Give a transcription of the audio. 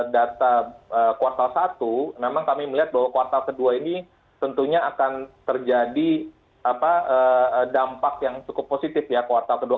data kuartal satu memang kami melihat bahwa kuartal kedua ini tentunya akan terjadi dampak yang cukup positif ya kuartal ke dua puluh